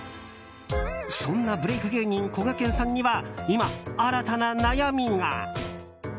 そんなブレーク芸人こがけんさんには今、新たな悩みが。